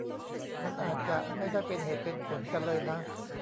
มันอาจจะไม่ได้เป็นเหตุเป็นผลกันเลยนะ